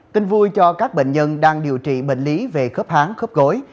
tin vui cho các bệnh nhân đang điều trị bệnh lý về khớp hán khớp gối